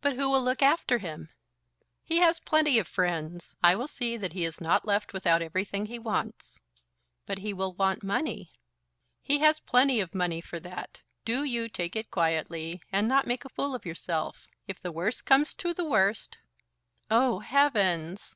"But who will look after him?" "He has plenty of friends. I will see that he is not left without everything that he wants." "But he will want money." "He has plenty of money for that. Do you take it quietly, and not make a fool of yourself. If the worst comes to the worst " "Oh, heavens!"